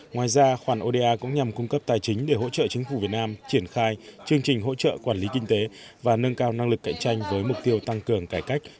ngoài ra khoản oda cũng nhằm cung cấp tài chính để hỗ trợ chính phủ việt nam triển khai chương trình hỗ trợ quản lý kinh tế và nâng cao năng lực cạnh tranh với mục tiêu tăng cường cải cách